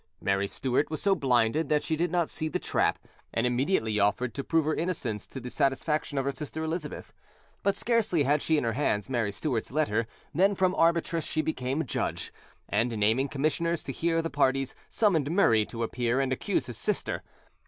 Mary Stuart was so blinded that she did not see the trap, and immediately offered to prove her innocence to the satisfaction of her sister Elizabeth; but scarcely had she in her hands Mary Stuart's letter, than from arbitress she became judge, and, naming commissioners to hear the parties, summoned Murray to appear and accuse his sister.